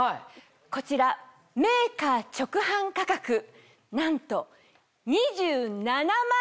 こちらメーカー直販価格なんと。